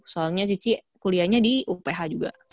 soalnya cici kuliahnya di uph juga